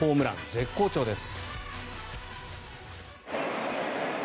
絶好調です。